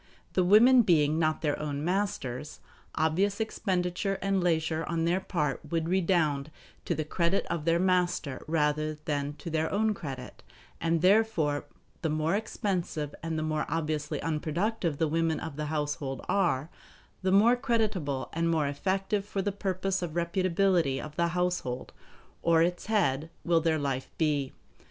The women being not their own masters, obvious expenditure and leisure on their part would redound to the credit of their master rather than to their own credit; and therefore the more expensive and the more obviously unproductive the women of the household are, the more creditable and more effective for the purpose of reputability of the household or its head will their life be.